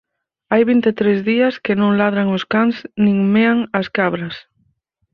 Hai vintetrés días que non ladran os cans nin mean as cabras.